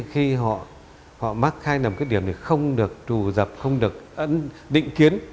khi họ mắc khai nằm khuyết điểm thì không được trù dập không được định kiến